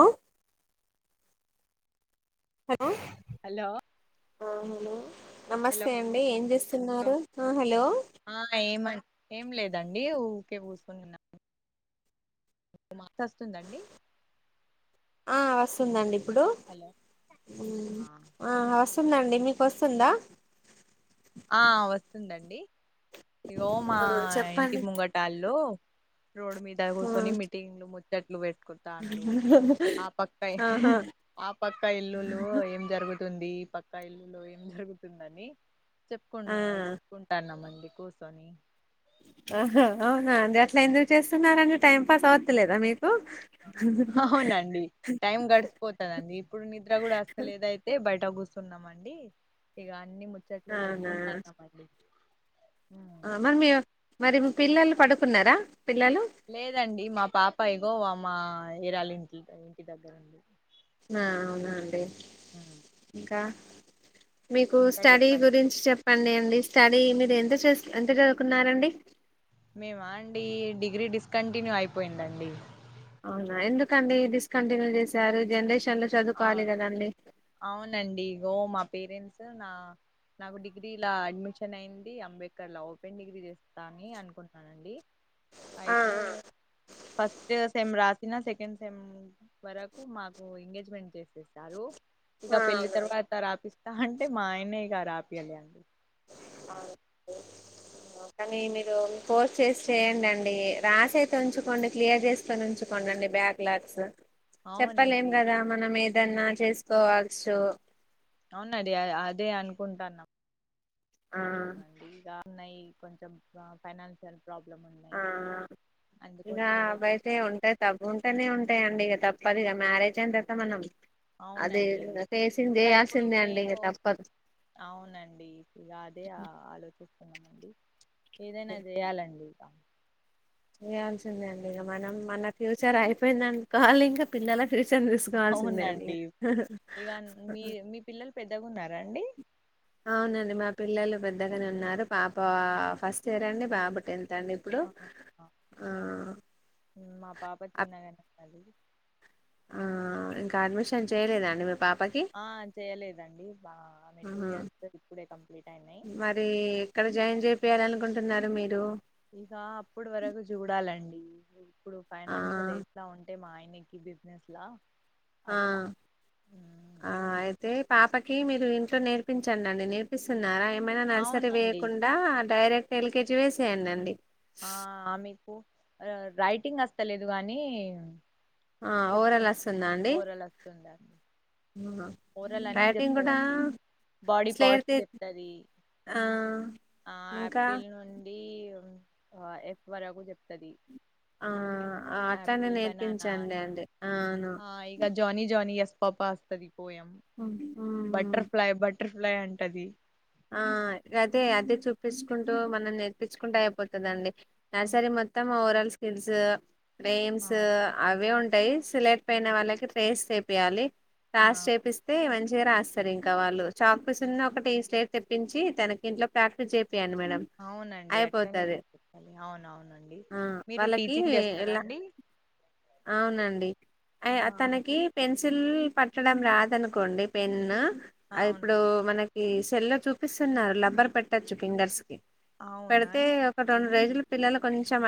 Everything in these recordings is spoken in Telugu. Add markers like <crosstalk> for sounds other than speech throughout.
ఆహ్ హలో హలో ఆ హలో హలో నమస్తే అండి ఏం చేస్తున్నారు ఆ హలో ఆ ఏమ ఏం లేదండి ఊరికే కూసున్నా మాత వస్తుందండి ఆ వస్తుందండి ప్పుడు హలో ఉమ్ ఆ వస్తుందండి మీకు వస్తుందా ఆ వస్తుందండి ఇగో మా ఆ ఇంటి చెప్పండి ముంగటళ్ళు రోడ్ మీద ఆ కుసోని మీటింగ్లు చెట్లు పె రూ ఆ పక్క ఆహా ఆ పక్క ఇల్లులు ఏం జరుగుతు తుంది ఈ పక్కా ఇల్లులో ఏం జరుగుతుందని ఆ చెప్పుకుంటు చెప్పుకుంటాన్నామ్మని ఇకు సని ఆహా ఆ అది అట్లా ఎందుకు చేస్తున్నారండి టైం ప్పసవతులేదా మీరు అవునండి టైం గడిసిపోతదండి ఇప్పుడు నిద్ర కూడా వస్తలేదైతే బట్ ట గుసున్నం అండి ఇ అన్ని ముచ్చట్లు అవునా చేసుకుంటాన్న మండి మరి మీ మరి పిల్లలు పడుకున్నారా పిల్లలు లేదండి మా పాపాయగో మా ఏరాల ఇంట్లో ఆ అవునాండి హ్మ్. ఇంకా మీకు ఇంకా స్టడీ చెప్పాలి గురించి చెప్పండి అండి స్టడీ అండి మీరు ఎంత చే ఎంత చదువుకున్నారండి మేమా అండి డిగ్రీ డిస్కంటిన్యూ అయిపోయిందండి అవునా ఎందుకండి డిస్కంటిన్యూ చేశారు జనరేషన్ లో ఆ చదువుకోవాలి కదండి అవునండి ఇగో మా పేరెంట్స్ నా నాకు డిగ్రీలా అడ్మిషన్ అయింది అంబేద్కర్ లా ఓపెన్ డిగ్రీ చేస్తా అని అనుకున్నానండి ఆ అయితే ఆ ఫస్ట్ సేమ్ రాసి చిన్న సెకండ్ సెమ్ వరకు మాకు ఎంగేజ్ మెంట్ చేసేసారు ఇక ఆ పెళ్ళి అవునవును తర్వాత రాపిస్త అంటే మా ఆయన ఇగా రాపియాలేదండి అవును, కానీ మీరు పోస్ట్ చేసి చేయండిండి రాసి అయితే ఉంచుకోండి క్లియర్ చేసుకొని ఉంచుకోండి అండి బ్యాక్ లాగ్స్ చెప్పలేం అవునండి కదా మనం ఏది ఏదన్నా చేసుకోవచ్చు అవునడి అదే అనుకుంటాన్నా ఆ దా ఉన్నాయి కొంచెం ఫైనాన్షియల్ ప్రాబ్లం ఆ ఉన్నాయి ఇగా అందుకోసం ఇక అవి చేస్త అయితే ఉంటాయి తా ఉంటేనే ఉంటాయండి ఇక త తప్పదు ఇగా మ్యారేజ్ అయిన తర్వాత మనం అది అవునండి ఫేసింగ్ ఇకా ఇప్పుడు చేయాల్సిందే అండి నేను ఇక తప్పదు అవునండి ఇలా అదే ఆలోచన ఉన్నామండి ఏదైనా చేయాలండి అ చేయాల్సిందే అండి ఇక మనం మన ఫ్యూచర్ అయిపోయిందనుకోవాలి ఇంకా పిల్లల రషన్ తీసుకోవాల్సిందే అండి అవునండి ఇక మీ మీ పిల్లలు పెద్దగా ఉన్నారా అండి అవునండి మా పి పిల్లలు పెద్దగానే ఉన్నారు పాప ఫస్ట్ ఇయర్ అండి పాప టెన్త్ అండి ఇప్పుడు ఆ మా పాప అప్- చిన్నగానే ఆ ఇంకా అడ్మిషన్ చేయలేదండి మీ పా ఆ చేయలేదండి ఆమె టూ ఆహా. ఇయర్స్ ఇప్పుడే కంప్లీట్ అయినాయి ప్పయాలనుకుంటున్నారు మీరు ఇక అప్పుడు వరకు చూడాలండి ఇప్పుడు ఆ ఫైనాన్షియల్ ఎట్లా ఉ అంటే మా ఆయనకి బిజినెస్ లా ఆ అట్లా మ్మ్. ఆ అయితే పాపకి మీరు ఇంట్లో నేర్పించండి అండి నేర్పిస్తున్నారా ఏమైనా నర్సరీ అవునండి వేయకుండా డైరెక్ట్ ఎల్క కేజీ వేసేయండిండి ఆ మీకు రైటింగ్ వస్తలేదు గానీ ఆ ఓవరాల్ చెప్తుందండి వస్తుందా అండి ఓరలు వస్తుందండి ఆహా. ఓరల్ అన్ని రైటింగ్ చెప్తంది కూడా అది బాడీ స్లేట్ పార్ట్స్ తీ చెప్తది ఆ ఆ ఇంకా ఆపిల్ నుండి ఆ ఎక్వరకు చెప్తది ఆ అట్లానే ఆపిల్ బనానా నేర్పించండి. అండి అవును పాప వస్తాది. పోయం ఉ బటర్ఫ్లై బటర్ఫ్లై అంటది. ఆ అదే అదే చూపించుకుంటూ మనం నేర్పించుకుంటూ అయిపోతదండి. ఆ నర్సరి మొత్తం ఓవర్ ఆల్ తెలుసు ప్రేమ్స్ ఆ అవి ఉం ట్రేస్ లేకపోయినా వాళ్ళకి ట్రేస్ నేర్పియాలి. కాస్ చేపిస్తే మంచి మంచిగా రాస్తారు. ఇంకా వాళ్ళు చాక్పిస్ ఉన్న ఒక టీ స్లెట్ తెప్పించి తనకి ఇంట్లో ప్రాక్టీస్ చే నేర్పియండి మేడం అవునండి అట్లనే అయిపోతాది. చెప్పాలి అవునవునండి ఆ మీరు వాళ్ళకి టీచింగ్ చేస్తారా లక్ అండి అవునండీ. ఆ తనకి పెన్సిల్ చిల్ పట్టడం రాదనుకొండి. పెన్ను అది అవును ఇప్పుడు మన ఈ సెల్ చూపిస్తున్నారు. రబ్బర్ పెట్టొచ్చు ఫింగర్స్ కి అవునా పెడితే అండి ఒక రెండు రోజులు పిల్లలు కొంచెం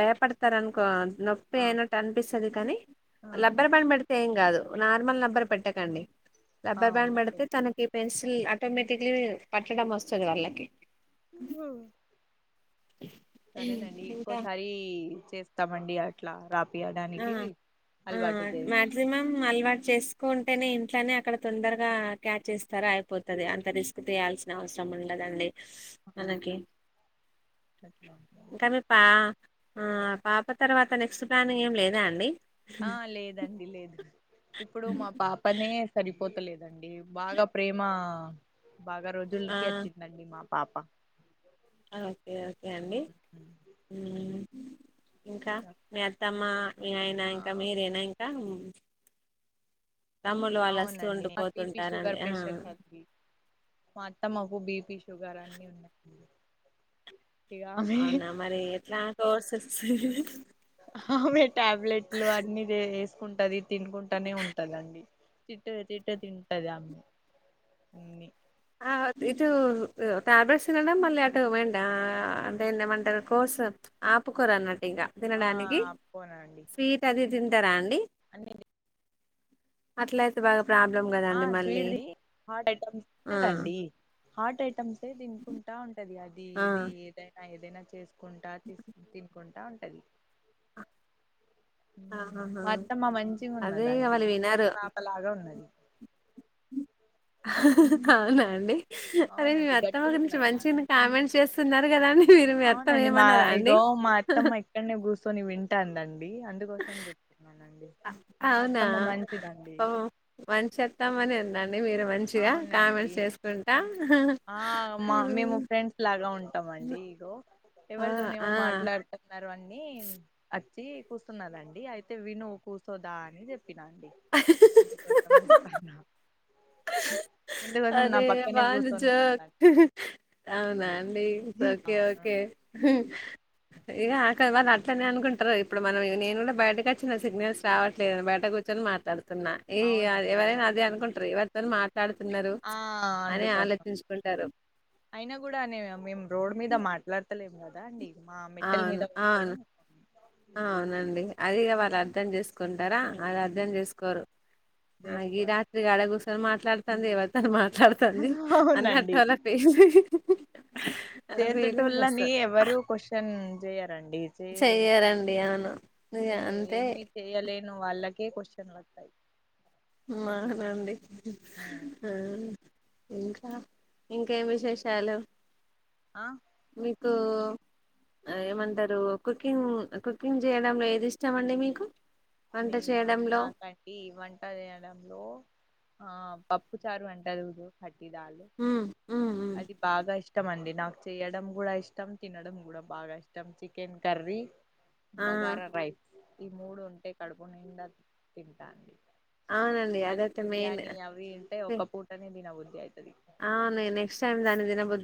భయపడతారు. అనుకో నొప్పి ఆ అయినట్టు అనిపిస్తది. కానీ ఆ ఆహా లబ్బరి బ్యాడ్ పెడితే ఏం కాదు. నార్మల్ నెంబర్ పెట్టకండి. రబ్బర్ బ్యాండ్ అవునండి పడితే తనకి పెన్సిల్ ఆటోమేటిక్ పట్టడం వస్తది. వాళ్ళకి <unintelligible> సరేనండి. ఇంకా ఇంకోసారి చేస్తామండి. అట్లా రాకు ఆ ఆ మాక్సిమం అలవాటు చేసుకుంటేనే ఇంట్లోనే అక్కడ తొందరగా క్యాచ్ చేస్తారు. అయిపోతది అంత రిస్క్ చేయాల్సిన అవసరం ఉండదండి. మనకి అట్లా తన పా ఆ పాప తర్వాత నెక్స్ట్ ప్లాన్ ఏం లేదా అండి. ఆ లేదండి. లేదు ఇప్పుడు మా పాపనే సరి పోతలేదండి. బాగా ప్రేమ బాగా రోజు ఆ ఉల్కి అతి నండి మా పాప ఓకే ఓకే అండి ఉ ఉ ఇంకా ఇగ మీ అత్తమ్మ మీ ఆయనా ఆ ఇంకా మీరేనా ఇంకా <unintelligible> వాళ్ళు వస్తూ అవునండి మా బిపి, షుగర్ ఉండిపోతుంటారండి ఆ పేషంట్స్ అండిమా అత్తమ్మ బీపి షుగర్ అన్ని ఉన్నాయి ఇక ఆమె అవునా మరి ఎట్లా కోర్సెస్ సరేనా ఆమె టాబ్లెట్లు అన్నీ జే ఏసు కుంటది తినుకుంటనే ఉంటదండి తింటది తింటది తింటది ఆమె అన్ని ఆ ఇటు టాబ్లెట్స్ తినడం మళ్ళీ అటు వెంట ఆ అంటే ఏమంటారు కోర్స్ ఆపుకోరు అన్న ఇగ ఆ తినడానికి పోనండి స్వీట్ అది తింటారా అండి అన్ని అట్లయితే బాగా ప్రాబ్లం ఆ కదండి మళ్ళీ స్వీట్ ది హాట్ ఐటమ్స్ ఆ కదండి హాట్ ఐటమ్స్ అయితే తినుకుంటా ఉంటది అది ఆ ఇది ఏదై ఏదైనా చేస్ కుంటా తీస్ తీన్ కుంటా అది ఉ ఆహాహా మా అత్తమ్మ మంచిగా అదే ఇగ ఉన్నదండి వాళ్ళు చిట్టి వినరు పాపలాగా ఉన్నది అవునా అండి అరే మీ అవునండి అత్తమ్మ గట్టిగా గురించి ఉన్నది ఆమె మంచిగనే కామెంట్స్ చేస్తున్నారు కదా అండి అవునండి మా ఇగో మా అత్తమ్మ ఇక్కనే కూసోని వింటాందాం ఆ మా అవునా అత్తమ్మ మంచిదండి ఓ మంచి అత్తమ్మనే ఉన్నా మీరు మంచిగా అవునండి కామెంట్స్ చేసుకుంటా ఆ మా మేము ఫ్రెండ్స్ లాగా ఉన్ టమండి ఇగో ఆ ఎవరితోని ఏమో ఆ మాట్లాడుత నరు అన్నీ అచ్చి కూసున్నారండి అయితే విను కూసో దా అని చె పినాఅండి అందుకోసం చెప్తన్నా అరే పక్కనే బా కూర్చొని నిర్చో ఉన్నదండి అవునా ప్లీజ్ ఒకే అవును ఓకే హు ఇగ కలవాలి అట్లనే అనుకుంటరు ఇప్పుడు మనం నేను కూడా బయటకు అచ్చిన సిగ్నల్స్ రావట్లేదని బయట కూర్చొని మాట్లాడు తున్నా ఈ యా అవునండి ఎవరైనా అదే అనుకుంట్రు ఇవ అందరూ మాట్లాడుతున్నరు. ఆ అందుకోసం అయినా కూడానే మేము రోడ్ మీద మాట్లాడుత ఉండలేం కదా అండి. మా మెట్టల్ అవును మీద అవును కూర్చొని అవునండి అది ఇగ వ అర్దం చేసుకుంటరా అది అర్థం చేసుకోరు అ ఈ రాత్రి చేసుకోవాలండి గాడ గుస్సోని మాట్లాడ సందేహపడతందిమా మాట్లాడతాంది అన్ని అవునండి <inaudible> నాఫేస్ చూసి వస్త చేసేటోళ్ళని ఎవరు కోషన్ చేయరు. చెయ్యరండి అవును ఇగ అంతే నొ వాళ్లకే కొషన్లు వస్తయి. మానండి ఉమ్, ఆ ఇంకా ఇంకేం విశేషాలు ఆ గ ఆ ఏమంటరు. కుకింగ్ కుకింగ్ చేయడంలో ఏది ఇష్టం అండి మీకు. వంట నేనా చేయడంలో నాకండి వంట చేయడం హలో ఆ పప్పు చారు అంటరు చూడు. ఉమ్, ఉమ్, ఉమ్. అది బాగా ఇష్టం అండి నా చెయ్యడం కూడా ఇష్టం తినడం కూడా బాగా ఇష్టం చికెన్ కర్రీ ఆ బగారా రైస్ ఈ మూడు ఉంటే కడుపు నిండా తింటా అండి అవునండి అది అదైతే మెయిన్ బిర్యానీ అవి ఉంటే ఒక పూటనే తినవుద్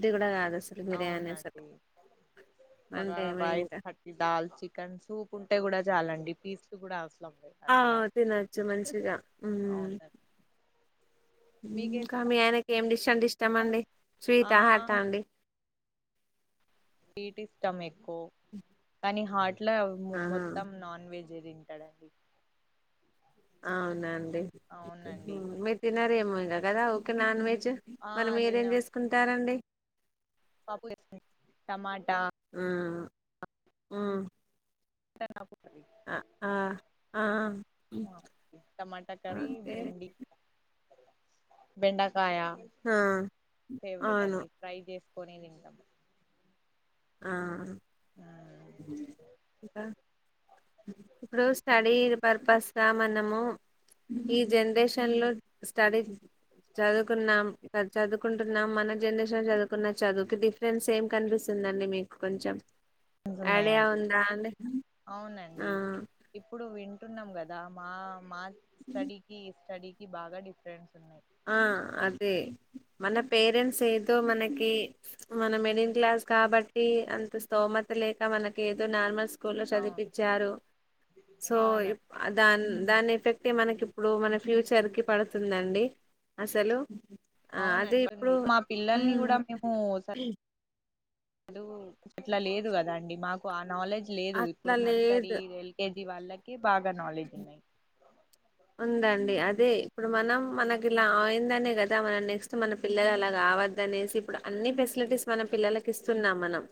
ది కూడా కాదు అసలు బిర్యానీ అసలు అవునాండి అంటే బగారా ఏమ రైస్ ఇంకా కటి దాల్ చికెన్ సూప్ ఉంటే కూడా చాలండి పీస్లు కూడా ఆ లేదండి నాకు తినొచ్చు మంచిగా మ్మ్ అవునండి మీకే ఇంకా మీ అయినకి ఏం డిష్ అంటే ఇష్టం అండి స్వీట్ ఆ హార్ట్ ఆ అండి స్వీట్ ఇష్టం మే ఓ కానీ హాట్ ఇట్లా ఆహా, మొత్తం నాన్ వెజ్ జే తింటడండి అవునండి అవునండి మీరు తినరేమో. తినార్ కదా ఊకె నాన్ వెజ్ ఆ మరి మీరేం అదినా చేసుకుంటారండి. పప్పు <unintelligible> టమాటా మ్మ్ కర్రీ, ఆ ఆ ఆ ఈ ఆ, అంటే బెండక్ కాయ ఆ, ఫేవరెట్ అవును అండి ఫ్రై చేస్ కొని తింటాం ఆ మ్మ్. ఇప్పుడు స్టడీ పర్పస్ రామన్నము ఈ జెనరేషన్ లో స్టడీ చదువుకున్నాం చదువుకుంటున్నాం మన జనరేషన్ చదువుకున్న చదువు కి డిఫరెన్స్ ఏం కనిపిస్ స్తుందండి మీకు కొంచెం ఐడియా ఉన్నాయిడి ఉందా అండి ఆ అవునండి ఇప్పుడు వింట అంటున్నాం కదా మా మా స్టడికి స్టడీ కి బాగా డిఫరెన్స్ ఉన్నాయి ఆ అదే మన పేరెంట్స్ ఏది తో మనకి మన మిడిల్ క్లాస్ కాబట్టి అంత స్థోమత లేక మనకి ఏదో నార్మల్ స్కూల్ స్కూ లో అవును చదిపించారు సో ఇప్ అవునండి దాన్ దాని ఎఫెక్ట్ మనకి ఇప్పుడు మన ఫ్యూచర్ కి పడుతుందండి అసలు ఆ అవున అదే ఇప్పుడు అనుపండి మా పిల్లల్ని కూడా మ్మ్ మేము సద్ చదువు ఇట్లా లేదు కదా అండి మాకు ఆ నాలెడ్జ్ లేదు అట్లా ఇప్పుడు లేదు నర్సరీ లెక్కేజి ఇది వాళ్ళకి బాగా నాలెడ్జ్ ఉన్నయి ఉందండి అదే ఇప్పుడు మనం మనకి ఇలా అయిందనే కదా మన నెక్స్ట్ మన పిల్లలు అలా కావద్దనేసి ఇప్పుడు అన్ని ఫెసిలిటీస్ మన పిల్లలకి ఇస్తున్నాం మనం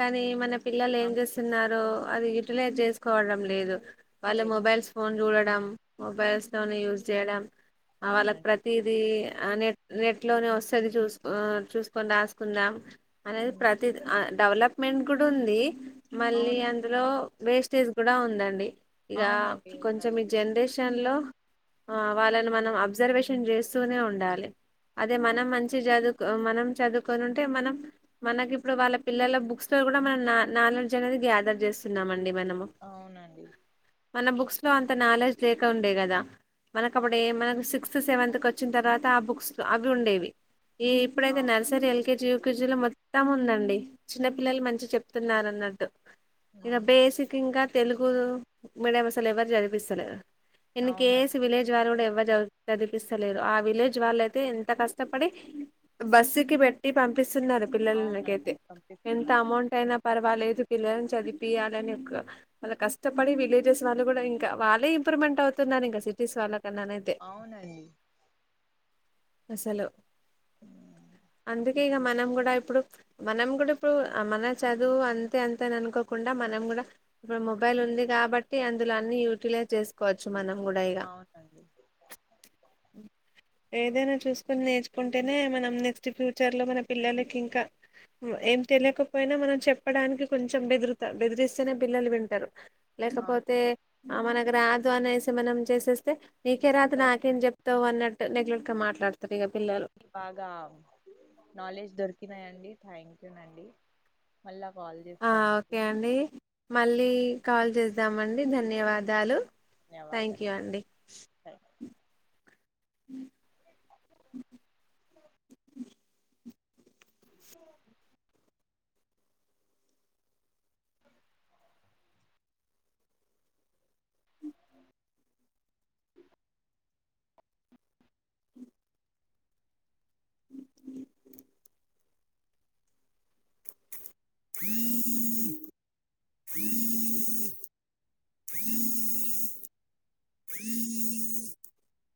కానీ మనం పిల్లలు ఏమి అవును చేస్తున్నారు అది యూటీలైజ్ చేసుకోవటం లేదు వాళ్ళ లేదు మొబైల్స్ ఫోన్ చూడట్ డమ్ మొబైల్స్ తోని యూస్ చేయడం ఆ వాళ్ళకి అవునండి ప్రతిది ఆ నెట్ నెట్ లోనే వస్తది చూసుకో చూసుకొని రాసుకుందాం అనేది ఉమ్, ప్రతిది ఆన్ డెవలప్మెంట్ కూడ ఉంది మళ్ళీ అవునండి అందులో ఓ వేస్టేజ్ కూడ ఉందండి ఇగ అవునండి కొంచెం ఉన్నది ఈ అ జనరేషన్ లో ఆ వాళ్ళను మనం అబ్జర్వేషన్ చేస్తూనే ఉండాలి అదే మనం అవును మంచి చదువు ఆమ్ మనం చదువుకనింటే మనం మనకిప్పుడు వాళ్ళ పిల్లల బుక్స్ తో కూడా మనం నా నాలెడ్జ్ అనేది గ్యాదర్ చేస్తున్నాము అన్ అవునండి మన బుక్స్ లో అంత నాలెడ్జ్ లేక ఉండే కదా మనకు అప్పుడు ఏ మనకు సిక్త్ సిక్స్త్ సెవెన్త్ కు వచ్చిన తర్వాత ఆ బుక్స్ లో అవి ఉండేవి. ఈ ఇప్పుడైతే అవునండి నర్సరీ, ఎల్కేజీ యూ కుజులు మొత్తం ఉందండి. చిన్న పిల్లలు మంచి చెప్తున్నారు అన్నట్టు. ఇగా ఉమ్, బేసిక్ ఇంకా తెలుగు మీడియం అసలు ఎవరు చదివిపిస్తలేరు. ఇన్ అవునండి కేసి విలేజ్ వాళ్ళు కూడ ఎవ బాగా చద చదిపిస్తలేరు ఆ విలేజ్ వాళ్ళయితే ఎంత కష్టపడి బస్సు కు పెట్టి పంపిస్త. టు కిడ్స్ ఉన్నారు. పిల్లలు నాకు అవునండి అయితే ఎంత పంపిస్తున్నారు అమౌట్ అయినా పర్వాలేదు పిల్లలని చదిపియాలిని ఒక వాళ్ళ కష్టపడి విలేజెస్ వాళ్ళు కూడా ఇంకా వాళ్ళే ఇంప్రూవ్మెంట్ అవుతుందని ఇక సిటీస్ వాళ్ళకు అవునండి అసలు ఉమ్, అందుకే ఇక మనం కూడా ఇప్పుడు, మనం కూడా ఇప్పుడు, మన చదువు అంతే అంతే అని అనుకోకుండా మనం కూడా ఇప్పుడు మొబైల్ ఉంది. కాబట్టి అందులో అన్ని యూటిలైజ్ చేసు కోవచ్చు మనం కూడా ఇ అవునండి ఏదైనా చూసుకుని నేర్చు చెప్పుకుంటేనే మనం నెక్స్ట్ ఫ్యూచర్ లో మన పిల్లలకి ఇంకా ఏం తెలియకపోయినా మనం చెప్పడానికి కొంచెం బెదురుతా బెదిరిస్తేనే పిల్లలు వింటారు. లేకపోతే అవునండి మన రాజ దనిసి మనం చేసేస్తే నీకే రాత నాకేం సరేండి చెప్తావు అన్నడు నెగలెట్ గా మాట్లాడుతారు. బాగా నాలెడ్జ్ దొరికినాయిండి. థ్యాంక్ యూ అండి మళ్ళా వాళ్ళు ఆ చేస్తానండి. ఓకే అండి మళ్ళీ కాల్ చేద్దామండి ధన్ ధన్యవాదాలు, థ్యాంక్ యూ ధన్యవాదాలు అండి. థ్యాంక్ అ <inaudible> <unintelligible> <unintelligible>